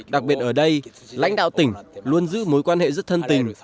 đặc biệt ở đây lãnh đạo tỉnh luôn giữ mối quan hệ rất thân tình